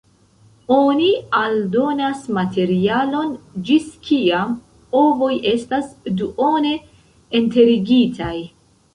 Oni aldonas materialon ĝis kiam ovoj estas duone enterigitaj.